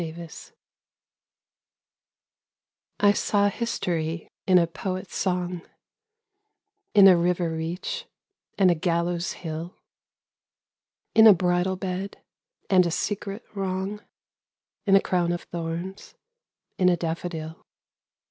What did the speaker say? SYMBOLS I saw history in a poet's song, In a river reach and a gallows hill, In a bridal bed, and a secret wrong, In a crown of thorns: in a daffodil.